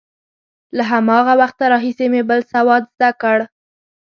له هماغه وخته راهیسې مې بل سواد زده کړ.